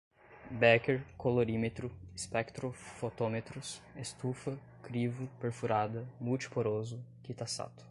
béquer, colorímetro, espectrofotômetros, estufa, crivo, perfurada, multi poroso, kitasato